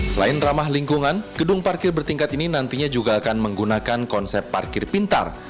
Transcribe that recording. selain ramah lingkungan gedung parkir bertingkat ini nantinya juga akan menggunakan konsep parkir pintar